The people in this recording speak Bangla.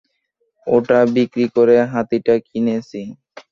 ওটা বিক্রি করে হাতিটা কিনেছি।